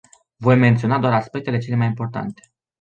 Voi menționa doar aspectele cele mai importante.